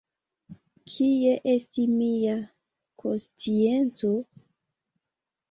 Kie estis mia konscienco!